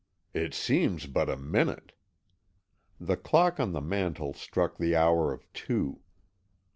"It seems but a minute." The clock on the mantel struck the hour of two.